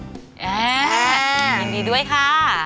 แอ่ยังดีด้วยค่ะ